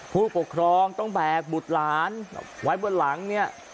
ผู้ปกครองต้องแบกบุตรหลานไว้บนหลังเนี่ย